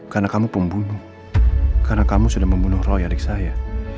karena kamu pembunuh karena kamu sudah membunuh roy adik saya